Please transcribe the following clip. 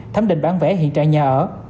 thẩm định bán vẽ hiện trạng nhà ở